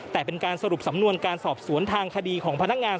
แต่เป็นการสรุปสำนวนการสอบสวนทางคดีของพนักงาน